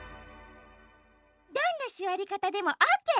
どんなすわりかたでもオッケー！